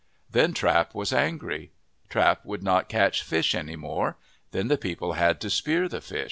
: Then Trap was angry. Trap would not catch fish any more. Then the people had to spear the fish.